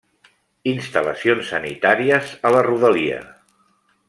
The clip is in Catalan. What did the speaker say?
Instal·lacions sanitàries a la rodalia.